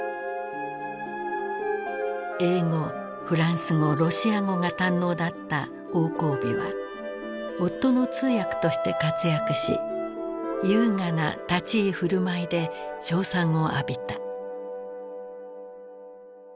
英語フランス語ロシア語が堪能だった王光美は夫の通訳として活躍し優雅な立ち居振る舞いで称賛を浴びた。